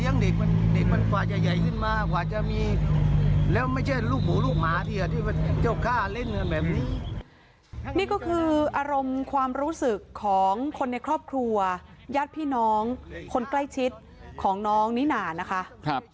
นี่ก็คืออารมณ์ความรู้สึกของคนในครอบครัวญาติพี่น้องคนใกล้ชิดของน้องนิน่านะคะ